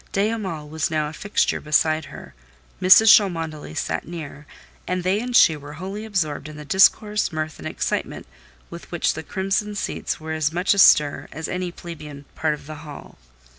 De Hamal was now a fixture beside her; Mrs. Cholmondeley sat near, and they and she were wholly absorbed in the discourse, mirth, and excitement, with which the crimson seats were as much astir as any plebeian part of the hall.